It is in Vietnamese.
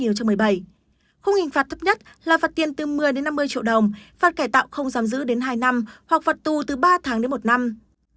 khung hình phạt thấp nhất là phạt tiền từ một mươi đến năm mươi triệu đồng phạt cải tạo không giam giữ đến hai năm hoặc phạt tù từ ba tháng đến một năm